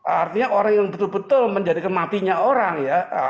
artinya orang yang betul betul menjadikan matinya orang ya